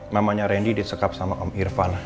namanya randy disekap sama om irfan